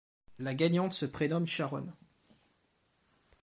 La gagnante se prénomme Sharon.